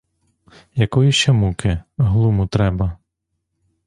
Якої ще муки, глуму треба?